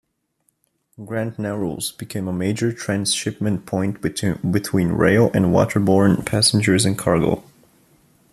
Grand Narrows became a major transshipment point between rail and waterborne passengers and cargo.